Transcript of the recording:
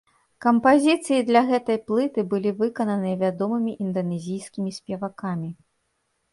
Кампазіцыі для гэтай плыты былі выкананыя вядомымі інданэзійскімі спевакамі.